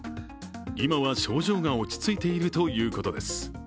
今は症状が落ち着いているということです。